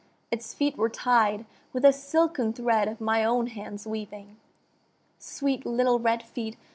Its feet were tied With a silken thread of my own hands' weaving. Sweet little red feet!